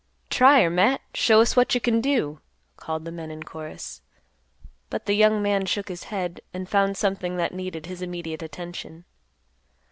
"Try her, Matt. Show us what you can do," called the men in chorus. But the young man shook his head, and found something that needed his immediate attention.